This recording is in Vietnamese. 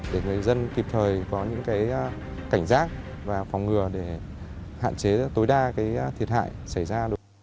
để người dân kịp thời có những cảnh giác và phòng ngừa để hạn chế tối đa thiệt hại xảy ra